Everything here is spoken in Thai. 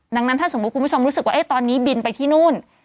ดังนั้นถ้าสมมุติคุณผู้ชมรู้สึกว่าตอนนี้บินไปที่นู่น